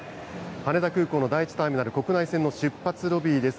羽田空港の第１ターミナル国内線の出発ロビーです。